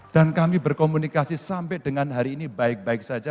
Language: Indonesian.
dan kami berkomunikasi sampai dengan hari ini baik baik saja